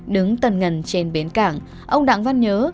đứng tần ngân trên bến cảng ông đặng văn nhớ